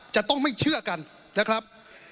จะต้องไม่เชื่อกันนะครับ